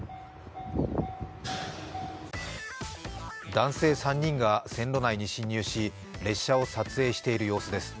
男性３人が線路内に侵入し列車を撮影している様子です。